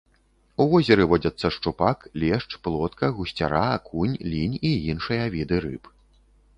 У возеры водзяцца шчупак, лешч, плотка, гусцяра, акунь, лінь і іншыя віды рыб.